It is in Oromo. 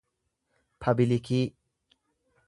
pabilikii